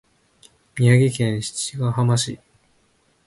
宮城県七ヶ浜町